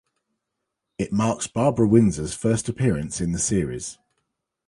It marks Barbara Windsor's first appearance in the series.